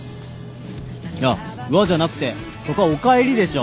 いや「うわ」じゃなくてそこは「おかえり」でしょ。